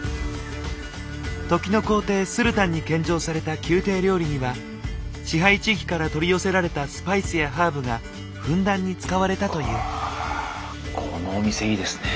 時の皇帝スルタンに献上された宮廷料理には支配地域から取り寄せられたスパイスやハーブがふんだんに使われたという。